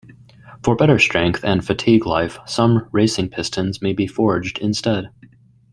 For better strength and fatigue life, some racing pistons may be forged instead.